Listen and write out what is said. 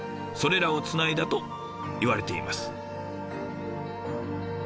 それらをつないだといわれています。